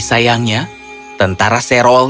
sayangnya tentara serol